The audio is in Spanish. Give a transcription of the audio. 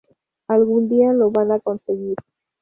Algún día lo van a conseguir".